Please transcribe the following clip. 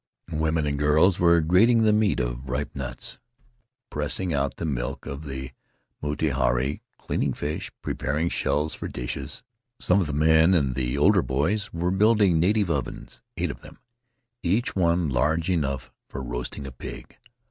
Women and girls were grating the meat of ripe nuts, pressing out the milk for the miti haari; cleaning fish; preparing shells for dishes. Some of the men and the older boys were building native ovens — eight of them, each one large enough for roasting a pig.